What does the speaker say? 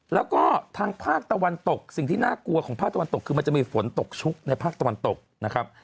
แล้วก็ทางภาคตะวันตกสิ่งที่น่ากลัวของภาคตะวันตกคือมันจะมีฝนตกชุกในภาคตะวันตกนะครับ